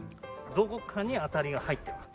どこかに当たりが入ってます。